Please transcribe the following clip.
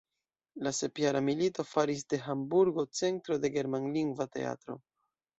La Sepjara milito faris de Hamburgo centro de germanlingva teatro.